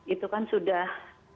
itu kan sudah